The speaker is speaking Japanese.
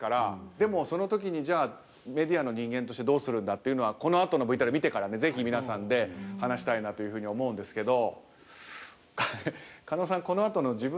でもその時にじゃあメディアの人間としてどうするんだっていうのはこのあとのＶＴＲ見てからぜひ皆さんで話したいなというふうに思うんですけど。